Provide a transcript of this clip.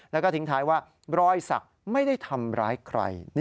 แล้วก็ทิ้งท้ายว่ารอยสักไม่ได้ทำร้ายใคร